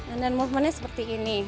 and then movementnya seperti ini